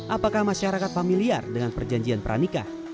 apakah masyarakat familiar dengan perjanjian pernikah